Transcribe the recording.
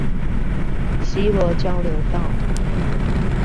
西螺交流道